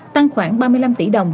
tăng khoảng ba mươi năm tỷ đồng